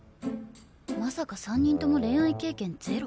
まさか３人とも恋愛経験ゼロ？